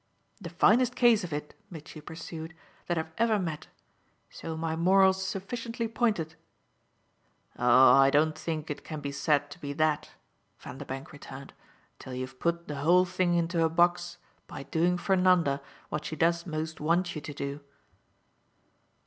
"The finest case of it," Mitchy pursued, "that I've ever met. So my moral's sufficiently pointed." "Oh I don't think it can be said to be that," Vanderbank returned, "till you've put the whole thing into a box by doing for Nanda what she does most want you to do."